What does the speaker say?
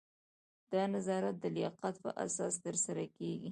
دا نظارت د لیاقت په اساس ترسره کیږي.